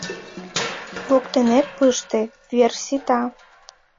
Воктенет пыште, вер сита.